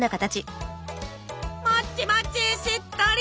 もちもちしっとり！